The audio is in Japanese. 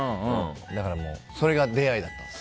それが出会いだったんです。